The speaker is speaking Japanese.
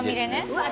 うわ。